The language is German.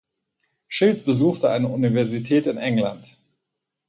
Schild besuchte eine Universität in England.